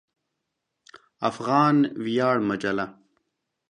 افغان ویاړ مجله